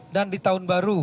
dan di tahun baru